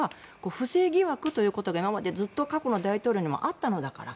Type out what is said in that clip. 不正疑惑ということが今までずっと過去の大統領にもあったのだから。